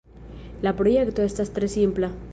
La projekto estas tre simpla.